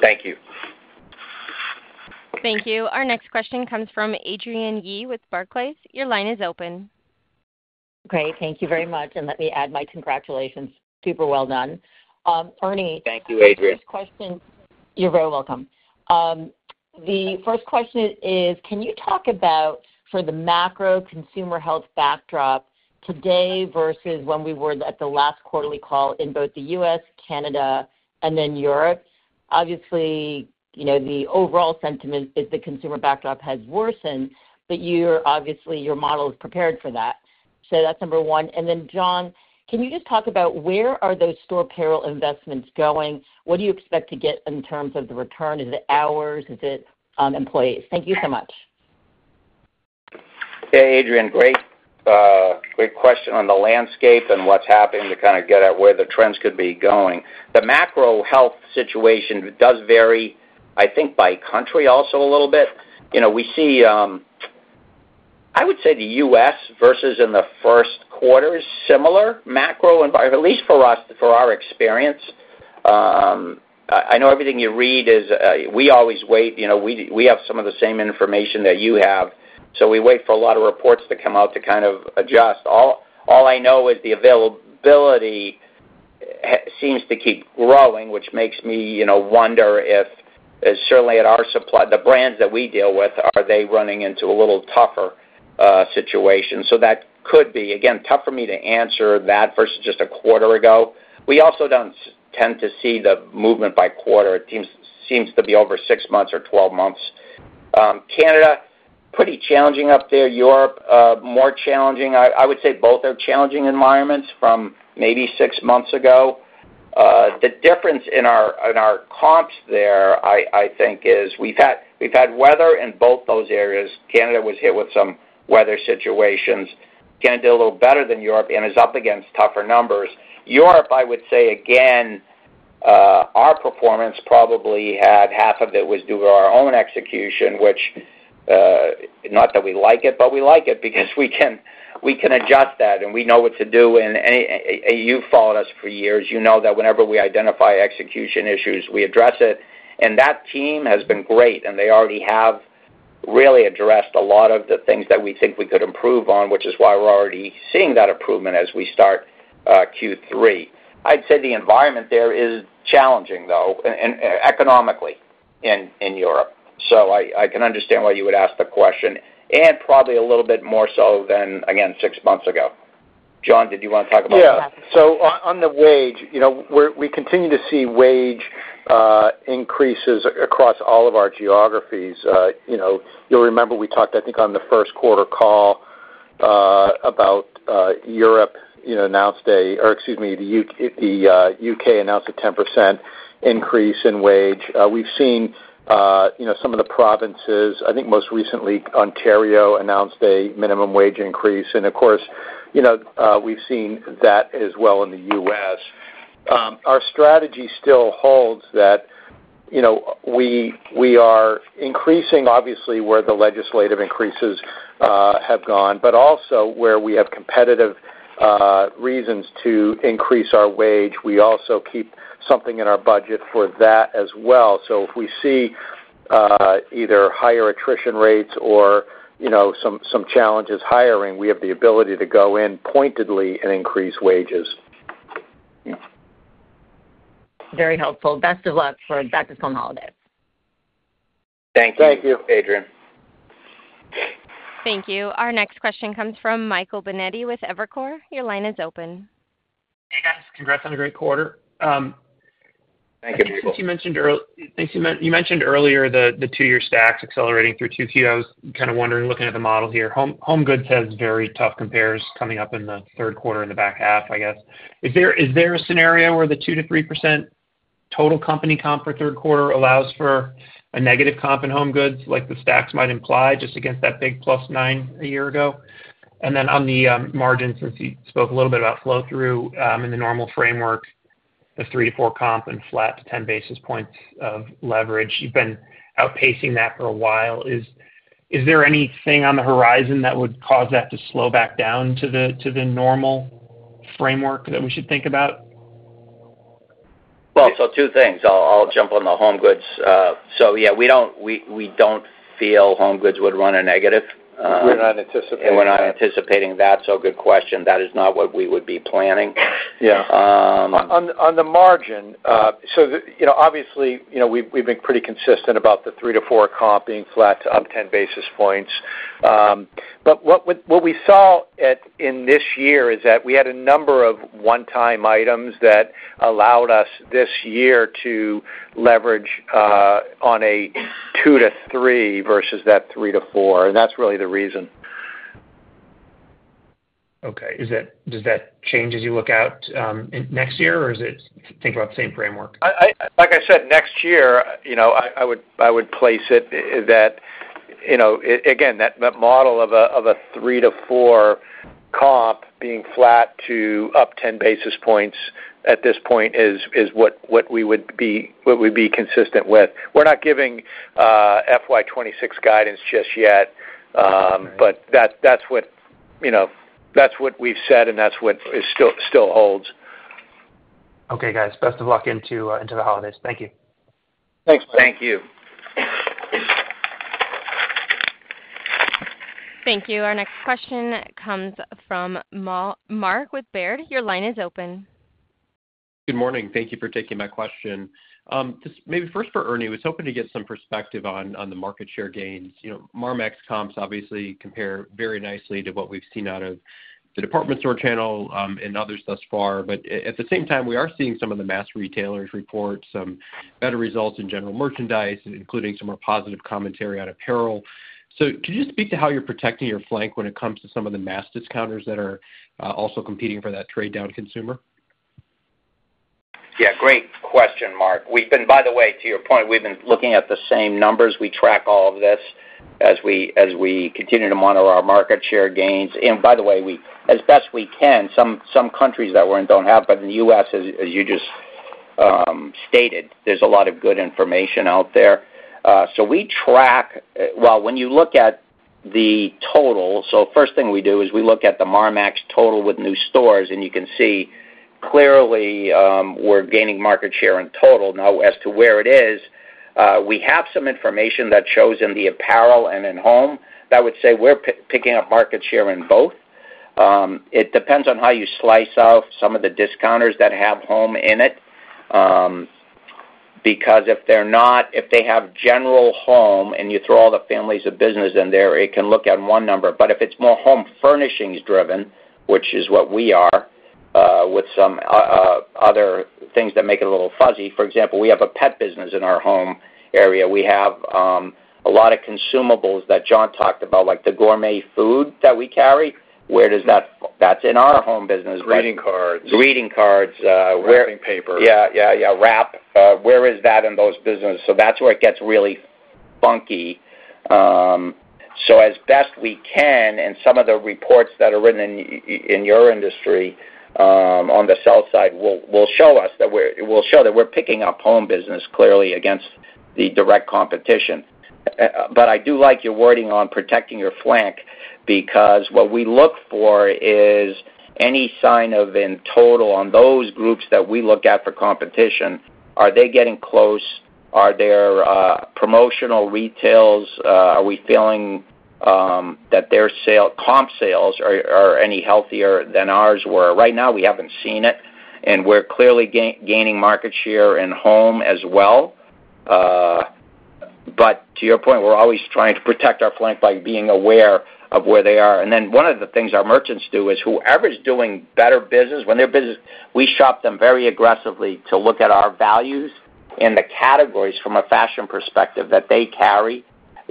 Thank you. Thank you. Our next question comes from Adrienne Yih with Barclays. Your line is open. Great. Thank you very much, and let me add my congratulations. Super well done. Ernie- Thank you, Adrienne. First question. You're very welcome. The first question is, can you talk about for the macro consumer health backdrop today versus when we were at the last quarterly call in both the U.S., Canada, and then Europe? Obviously, you know, the overall sentiment is the consumer backdrop has worsened, but you're obviously, your model is prepared for that. So that's number one. And then, John, can you just talk about where are those store payroll investments going? What do you expect to get in terms of the return? Is it hours? Is it employees? Thank you so much. Hey, Adrienne, great, great question on the landscape and what's happening to kind of get at where the trends could be going. The macro health situation does vary, I think, by country also a little bit. You know, we see, I would say the U.S. versus in the first quarter is similar macro environment, at least for us, for our experience. I, I know everything you read is, we always wait. You know, we have some of the same information that you have, so we wait for a lot of reports to come out to kind of adjust. All, all I know is the availability seems to keep growing, which makes me, you know, wonder if, certainly at our supply, the brands that we deal with, are they running into a little tougher situation? So that could be, again, tough for me to answer that versus just a quarter ago. We also don't tend to see the movement by quarter. It seems to be over six months or 12 months. Canada, pretty challenging up there. Europe, more challenging. I would say both are challenging environments from maybe six months ago. The difference in our comps there, I think, is we've had weather in both those areas. Canada was hit with some weather situations. Canada did a little better than Europe and is up against tougher numbers. Europe, I would say again, our performance probably had half of it was due to our own execution, which not that we like it, but we like it because we can adjust that, and we know what to do. And you've followed us for years, you know that whenever we identify execution issues, we address it, and that team has been great, and they already have really addressed a lot of the things that we think we could improve on, which is why we're already seeing that improvement as we start Q3. I'd say the environment there is challenging, though, and economically in Europe. So I can understand why you would ask the question, and probably a little bit more so than, again, six months ago. John, did you want to talk about that? Yeah. So on the wage, you know, we continue to see wage increases across all of our geographies. You know, you'll remember we talked, I think, on the first quarter call, about the U.K. announced a 10% increase in wage. We've seen, you know, some of the provinces, I think most recently, Ontario, announce a minimum wage increase. And of course, you know, we've seen that as well in the U.S. Our strategy still holds that, you know, we are increasing obviously where the legislative increases have gone, but also where we have competitive reasons to increase our wage. We also keep something in our budget for that as well. So if we see either higher attrition rates or, you know, some challenges hiring, we have the ability to go in pointedly and increase wages. Very helpful. Best of luck for back-to-school holidays. Thank you. Thank you, Adrienne. Thank you. Our next question comes from Michael Binetti with Evercore. Your line is open. Hey, guys. Congrats on a great quarter. Thank you. I think you mentioned earlier the two-year stacks accelerating through Q2. I was kind of wondering, looking at the model here, HomeGoods has very tough compares coming up in the third quarter, in the back half, I guess. Is there a scenario where the 2%-3% total company comp for third quarter allows for a negative comp in HomeGoods, like the stacks might imply, just against that big +9% a year ago? And then on the margin, since you spoke a little bit about flow through, in the normal framework, the 3%-4% comp and flat to 10 basis points of leverage, you've been outpacing that for a while. Is there anything on the horizon that would cause that to slow back down to the normal framework that we should think about? So two things. I'll jump on the HomeGoods. So yeah, we don't feel HomeGoods would run a negative. We're not anticipating that. We're not anticipating that, so good question. That is not what we would be planning. Yeah.On the margin, so the you know, obviously, you know, we've been pretty consistent about the three-to-four comp being flat to up 10 basis points. But what we saw in this year is that we had a number of one-time items that allowed us this year to leverage on a two-to-three versus that three-to-four, and that's really the reason. Okay. Does that change as you look out in next year, or is it think about the same framework? Like I said, next year, you know, I would place it that you know again that model of a three to four comp being flat to up ten basis points at this point is what we would be consistent with. We're not giving FY 2026 guidance just yet. But that's what you know that's what we've said, and that's what it still holds. Okay, guys. Best of luck into the holidays. Thank you. Thanks. Thank you. Thank you. Our next question comes from Mark with Baird. Your line is open. Good morning. Thank you for taking my question. Just maybe first for Ernie, I was hoping to get some perspective on the market share gains. You know, Marmaxx comps obviously compare very nicely to what we've seen out of the department store channel, and others thus far. But at the same time, we are seeing some of the mass retailers report some better results in general merchandise, including some more positive commentary on apparel. So could you just speak to how you're protecting your flank when it comes to some of the mass discounters that are also competing for that trade down consumer? Yeah, great question, Mark. We've been, by the way, to your point, we've been looking at the same numbers. We track all of this as we continue to monitor our market share gains. And by the way, we, as best we can, some countries that we're in don't have, but in the U.S., as you just stated, there's a lot of good information out there. So we track. Well, when you look at the total, so first thing we do is we look at the Marmaxx total with new stores, and you can see clearly we're gaining market share in total. Now, as to where it is, we have some information that shows in the apparel and in home that would say we're picking up market share in both. It depends on how you slice out some of the discounters that have home in it. Because if they're not, if they have general home, and you throw all the families of business in there, it can look at one number. But if it's more home furnishings driven, which is what we are, with some other things that make it a little fuzzy. For example, we have a pet business in our home area. We have a lot of consumables that John talked about, like the gourmet food that we carry. Where does that. That's in our home business. Greeting cards. Greeting cards, where- Wrapping paper. Yeah, yeah, yeah, wrap. Where is that in those business? So that's where it gets really funky. So as best we can, and some of the reports that are written in, in your industry, on the sell side will show us that we're picking up home business clearly against the direct competition. But I do like your wording on protecting your flank, because what we look for is any sign of, in total, on those groups that we look at for competition, are they getting close? Are there promotional retails? Are we feeling that their sale, comp sales are any healthier than ours were? Right now, we haven't seen it, and we're clearly gaining market share in home as well. But to your point, we're always trying to protect our flank by being aware of where they are. And then one of the things our merchants do is whoever's doing better business, when their business, we shop them very aggressively to look at our values and the categories from a fashion perspective that they carry,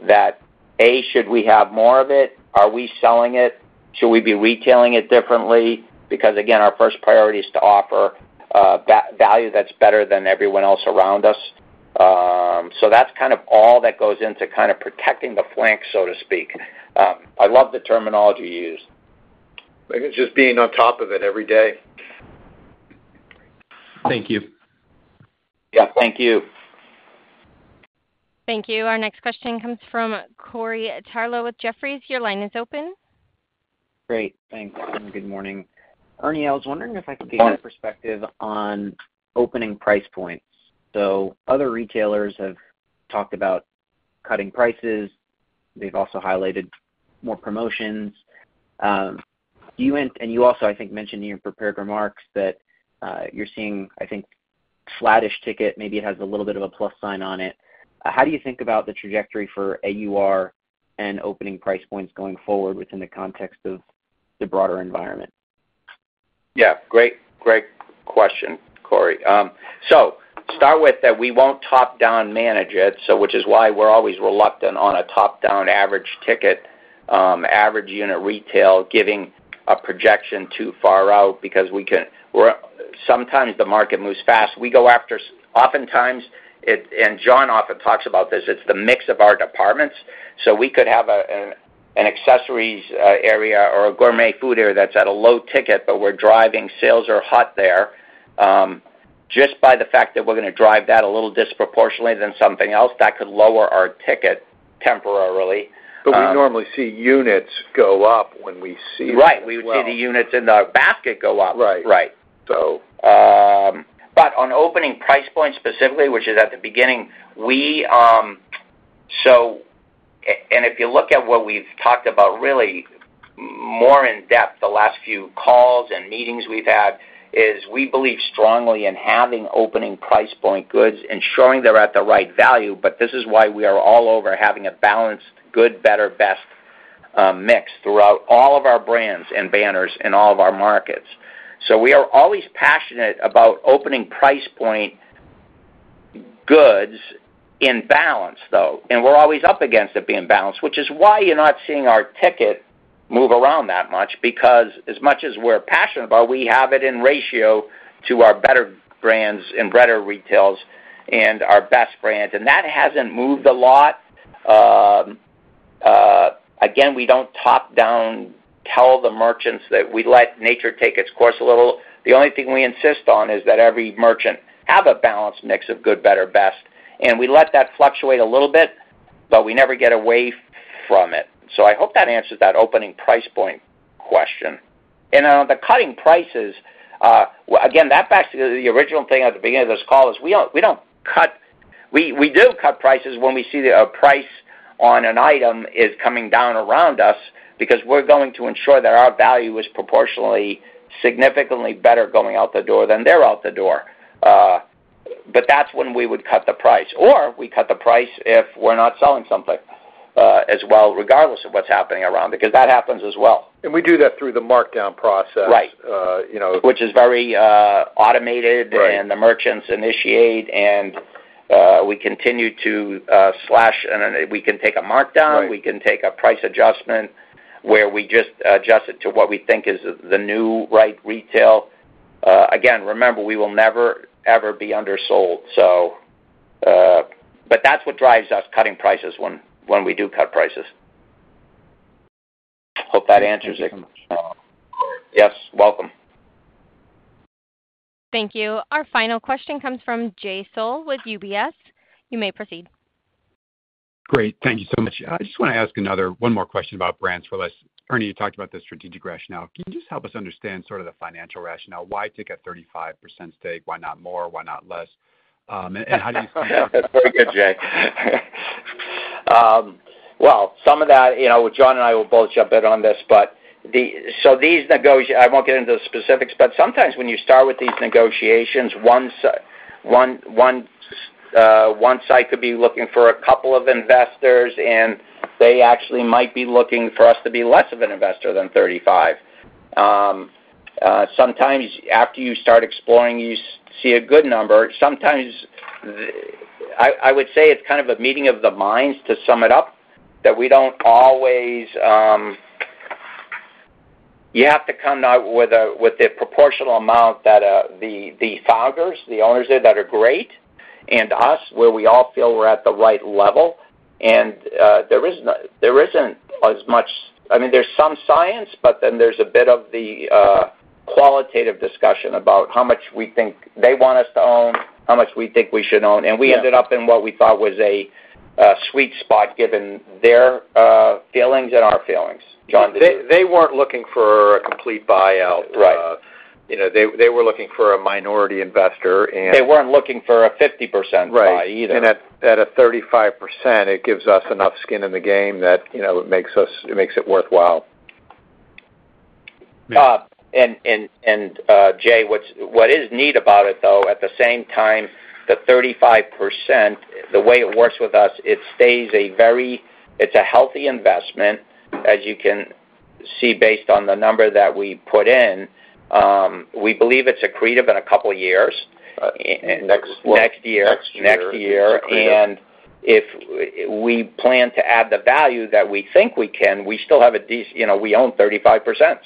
that, A, should we have more of it? Are we selling it? Should we be retailing it differently? Because, again, our first priority is to offer value that's better than everyone else around us. So that's kind of all that goes into kind of protecting the flank, so to speak. I love the terminology you used. I think it's just being on top of it every day. Thank you. Yeah, thank you. Thank you. Our next question comes from Corey Tarlowe with Jefferies. Your line is open. Great, thanks, and good morning. Ernie, I was wondering if I could get your perspective on opening price points. So other retailers have talked about cutting prices. They've also highlighted more promotions. You also, I think, mentioned in your prepared remarks that you're seeing, I think, flattish ticket, maybe it has a little bit of a plus sign on it. How do you think about the trajectory for AUR and opening price points going forward within the context of the broader environment? Yeah, great, great question, Corey. So start with that we won't top-down manage it, so which is why we're always reluctant on a top-down average ticket, average unit retail, giving a projection too far out because we're sometimes the market moves fast. We go after, oftentimes, it, and John often talks about this, it's the mix of our departments. So we could have an accessories area or a gourmet food area that's at a low ticket, but we're driving sales are hot there. Just by the fact that we're gonna drive that a little disproportionately than something else, that could lower our ticket temporarily. But we normally see units go up when we see- Right, we would see the units in the basket go up. Right. Right. So. But on opening price points specifically, which is at the beginning, we. So, and if you look at what we've talked about really more in depth, the last few calls and meetings we've had, is we believe strongly in having opening price point goods ensuring they're at the right value. But this is why we are all over having a balanced, good, better, best mix throughout all of our brands and banners in all of our markets. So we are always passionate about opening price point goods in balance, though, and we're always up against it being balanced, which is why you're not seeing our ticket move around that much. Because as much as we're passionate about, we have it in ratio to our better brands and better retails and our best brands, and that hasn't moved a lot. Again, we don't top down tell the merchants that we let nature take its course a little. The only thing we insist on is that every merchant have a balanced mix of good, better, best, and we let that fluctuate a little bit, but we never get away from it. So I hope that answers that opening price point question. And on the cutting prices, well, again, that back to the original thing at the beginning of this call is we do cut prices when we see that a price on an item is coming down around us because we're going to ensure that our value is proportionally, significantly better going out the door than they're out the door. But that's when we would cut the price, or we cut the price if we're not selling something as well, regardless of what's happening around, because that happens as well. We do that through the markdown process. Right. You know- Which is very, automated- Right... and the merchants initiate, and we continue to slash, and we can take a markdown. Right. We can take a price adjustment where we just adjust it to what we think is the new right retail. Again, remember, we will never, ever be undersold, so, but that's what drives us cutting prices when we do cut prices. Hope that answers it. Thank you so much. Yes, welcome. Thank you. Our final question comes from Jay Sole with UBS. You may proceed. Great. Thank you so much. I just wanna ask another, one more question about Brands For Less. Ernie, you talked about the strategic rationale. Can you just help us understand sort of the financial rationale, why take a 35% stake? Why not more? Why not less? And how do you- That's very good, Jay. Well, some of that, you know, John and I will both jump in on this, but the, so these negotiations. I won't get into the specifics, but sometimes when you start with these negotiations, one side could be looking for a couple of investors, and they actually might be looking for us to be less of an investor than 35. Sometimes after you start exploring, you see a good number. Sometimes, I would say it's kind of a meeting of the minds, to sum it up, that we don't always. You have to come out with a proportional amount that the founders, the owners there, that are great, and us, where we all feel we're at the right level. And there isn't as much... I mean, there's some science, but then there's a bit of the qualitative discussion about how much we think they want us to own, how much we think we should own. Yeah. And we ended up in what we thought was a sweet spot given their feelings and our feelings. John, did you- They weren't looking for a complete buyout. Right. you know, they were looking for a minority investor, and- They weren't looking for a 50% buy either. Right. And at a 35%, it gives us enough skin in the game that, you know, it makes us- it makes it worthwhile. Jay, what is neat about it, though, at the same time, the 35%, the way it works with us, it stays a healthy investment, as you can see, based on the number that we put in. We believe it's accretive in a couple of years. Uh, next- Next year. Next year. Next year. Accretive. And if we plan to add the value that we think we can, we still have a, you know, we own 35%,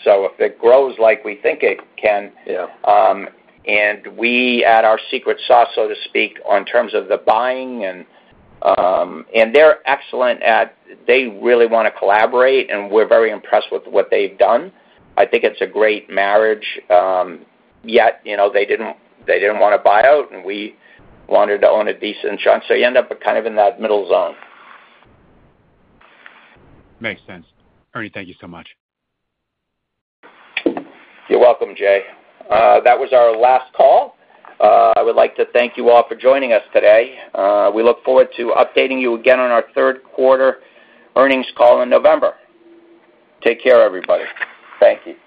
so if it grows like we think it can- Yeah... and we add our secret sauce, so to speak, on terms of the buying and they're excellent. They really wanna collaborate, and we're very impressed with what they've done. I think it's a great marriage. Yet, you know, they didn't want to buy out, and we wanted to own a decent chunk, so you end up kind of in that middle zone. Makes sense. Ernie, thank you so much. You're welcome, Jay. That was our last call. I would like to thank you all for joining us today. We look forward to updating you again on our third quarter earnings call in November. Take care, everybody. Thank you.